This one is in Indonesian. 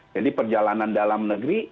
jadi perjalanan dalam negeri